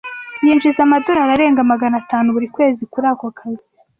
Yinjiza amadorari arenga magana atanu buri kwezi kuri ako kazi.